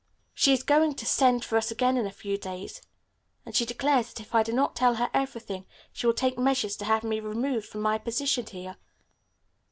She is going to send for us again in a few days, and she declares that, if I do not tell her everything, she will take measures to have me removed from my position here."